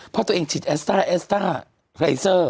เพราะตัวเองฉีดแอสต้าแอสต้าไฟเซอร์